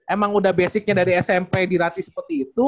emang udah basicnya dari smp dilatih seperti itu